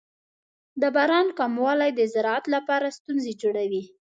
د باران کموالی د زراعت لپاره ستونزې جوړوي.